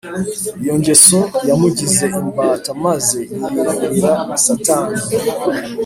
iyo ngeso yamugize imbata maze yiyegurira satani,